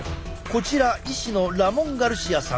こちら医師のラモン・ガルシアさん。